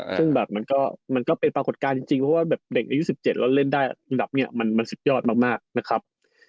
ซึ่งแบบมันก็เป็นปรากฏการณ์จริงเพราะว่าแบบเด็กอายุ๑๗แล้วเล่นได้อันดับเนี่ยมันสุดยอดมากนะครับ